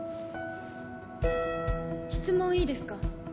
質問いいですか？